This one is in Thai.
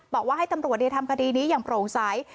บอกว่าให้ตำรวจทำคดีนี้อย่างโปร่งใส